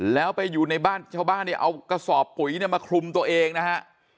แล้วไปอยู่ในบ้านชาวบ้านเนี่ยเอากระสอบปุ๋ยเนี่ยมาคลุมตัวเองนะฮะ